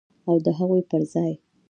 او د هغوی پر ځای